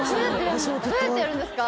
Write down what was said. どうやってやるんですか？